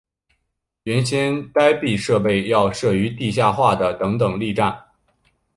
原先待避设备要设于地下化的等等力站。